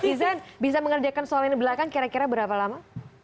netizen bisa mengerjakan soal ini belakang kira kira berapa lama